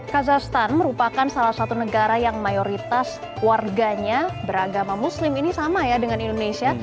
kazahstan merupakan salah satu negara yang mayoritas warganya beragama muslim ini sama ya dengan indonesia